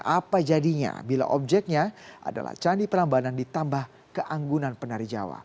apa jadinya bila objeknya adalah candi prambanan ditambah keanggunan penari jawa